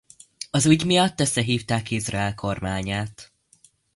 Az ügy miatt összehívták Izrael kormányát.